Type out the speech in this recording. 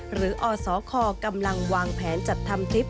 หรืออสคกำลังวางแผนจัดทำทริป